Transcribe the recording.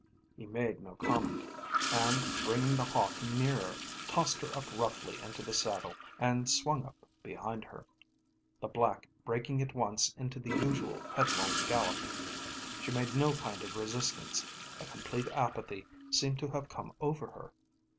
He made no comment, and bringing The Hawk nearer tossed her up roughly into the saddle and swung up behind her, the black breaking at once into the usual headlong gallop. She made no kind of resistance, a complete apathy seemed to have come over her.